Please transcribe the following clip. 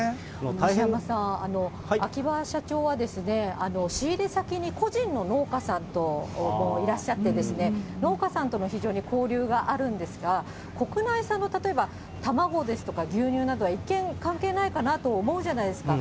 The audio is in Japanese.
西山さん、秋葉社長は仕入れ先に個人の農家さんもいらっしゃって、農家さんとも非常に交流があるんですが、国内産の例えば卵ですとか牛乳などは一見関係ないかなと思うじゃないですか。